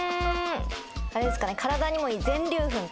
あれですかね。